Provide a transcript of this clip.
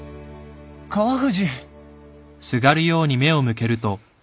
川藤！